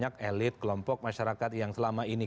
apalagi misalnya banyak elit kelompok masyarakat yang selama ini